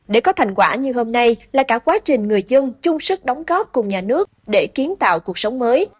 để có thành quả như hôm nay là cả quá trình người dân chung sức đóng góp cùng nhà nước để kiến tạo cuộc sống mới